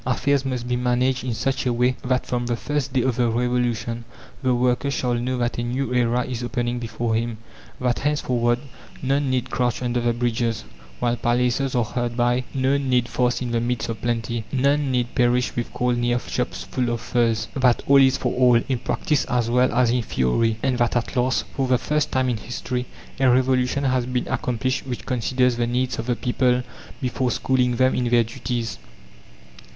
Affairs must be managed in such a way that from the first day of the revolution the worker shall know that a new era is opening before him; that henceforward none need crouch under the bridges, while palaces are hard by, none need fast in the midst of plenty, none need perish with cold near shops full of furs; that all is for all, in practice as well as in theory, and that at last, for the first time in history, a revolution has been accomplished which considers the NEEDS of the people before schooling them in their DUTIES.